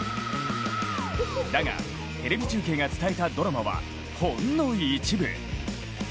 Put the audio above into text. だが、テレビ中継が伝えたドラマはほんの一部。